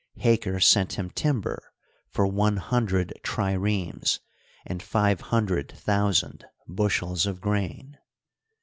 Haker sent him timber for one hundred triremes and five hundred thousand bushels of g^ain.